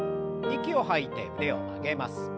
息を吐いて腕を曲げます。